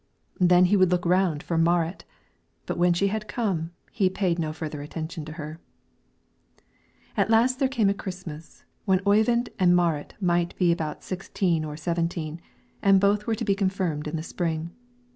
Then he would look round for Marit, but when she had come he payed no further attention to her. At last there came a Christmas, when Oyvind and Marit might be about sixteen or seventeen, and were both to be confirmed in the spring.